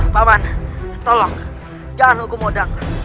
paman tolong jangan hukum undang